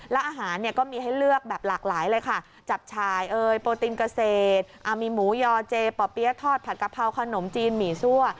แล้วอาหารเนี่ยก็มีให้เลือกแบบหลากหลายเลยค่ะจับฉายโปรตินเกษตรมีหมูยอเจป่อเปี๊ยะทอดผัดกะเพราขนมจีนหมี่ซั่ว